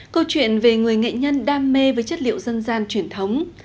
câu chuyện về người nghệ nhân đam mê với chất liệu dân gian truyền thống